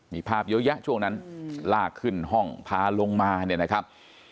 มีภาพเยอะแยะช่วงนั้นลากขึ้นห้องพาลงมาเนี่ยนะครับ